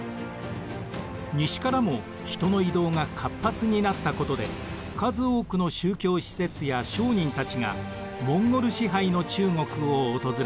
西からも人の移動が活発になったことで数多くの宗教使節や商人たちがモンゴル支配の中国を訪れました。